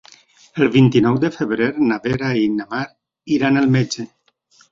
El vint-i-nou de febrer na Vera i na Mar iran al metge.